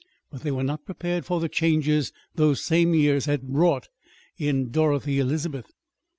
But they were not prepared for the changes those same years had wrought in Dorothy Elizabeth.